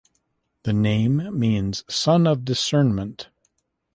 The name means "Sun of Discernment".